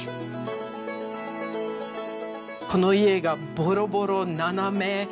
この家がボロボロ斜め。